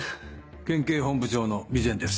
県警本部長の備前です。